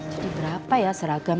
jadi berapa ya seragam